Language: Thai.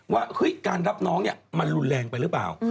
ว่าการรับน้องเนี่ยมันรุนแรงไปหรือเปล่า